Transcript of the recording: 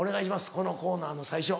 このコーナーの最初。